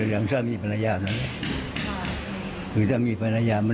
หรือถ้ามีปัญหามันที่ออกเงินด้วยมีปัญหา